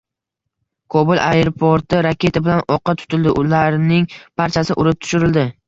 Kobul aeroporti raketa bilan o‘qqa tutildi, ularning barchasi urib tushirildi